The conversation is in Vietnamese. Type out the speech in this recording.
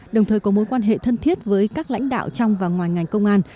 đồng thời có mối quan hệ thân thiết với các lãnh đạo trong và ngoài ngành công an